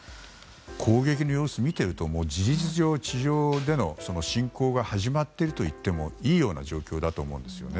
攻撃の様子を見てるともう事実上地上での侵攻が始まっているといってもいいような状況だと思うんですよね。